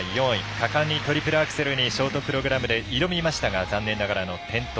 果敢にトリプルアクセルにショートプログラムで挑みましたが残念ながら転倒。